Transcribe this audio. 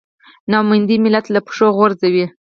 نا اميدي ملت له پښو غورځوي.